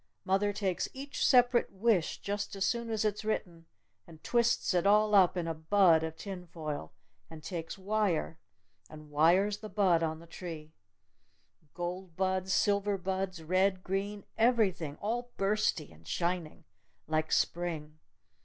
Mother takes each separate wish just as soon as it's written, and twists it all up in a bud of tin foil! And takes wire! And wires the bud on the tree! Gold buds! Silver buds! Red! Green! Everything! All bursty! And shining! Like Spring!